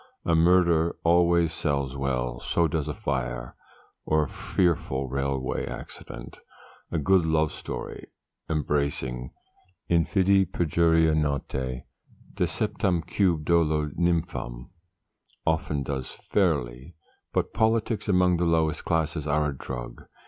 A murder always sells well, so does a fire, or a fearful railway accident. A good love story, embracing 'infidi perjuria nautæ Deceptamque dolo nympham' often does fairly; but politics among the lowest class are a drug.